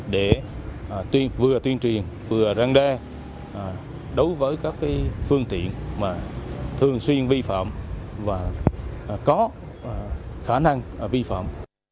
để vừa tuyên truyền vừa răng đe đối với các phương tiện thường xuyên vi phạm và có khả năng vi phạm